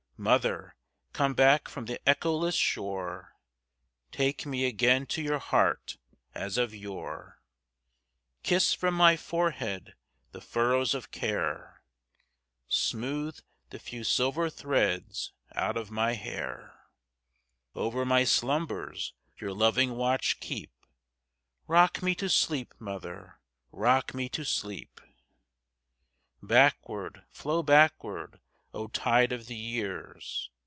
Mother, come back from the echoless shore, Take me again to your heart as of yore; Kiss from my forehead the furrows of care, Smooth the few silver threads out of my hair; Over my slumbers your loving watch keep;—Rock me to sleep, mother,—rock me to sleep! Backward, flow backward, O tide of the years!